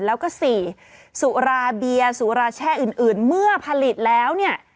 แล้วก็๔สุราเบียร์สุราแช่อื่นเมื่อผลิตแล้วเนี่ย